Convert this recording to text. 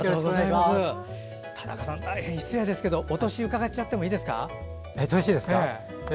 田中さん、大変失礼ですがお年を伺ってもいいですか。